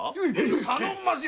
頼みますよ。